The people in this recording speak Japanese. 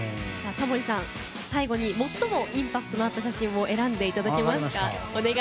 タモリさん、最後に最もインパクトのあった写真を選んでいただきます。